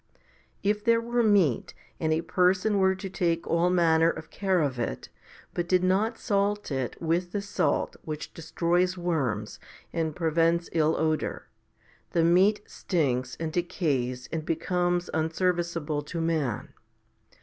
1 If there were meat, and a person were to take all manner of care of it, but did not salt it with the salt which destroys worms and prevents ill odour, the meat stinks and decays and becomes unservice able to man.